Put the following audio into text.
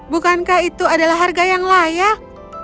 bukankah itu adalah harga yang layak